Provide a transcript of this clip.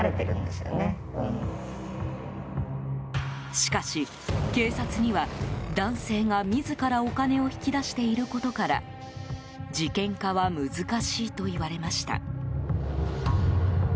しかし、警察には、男性が自らお金を引き出していることから事件化は難しいと言われました。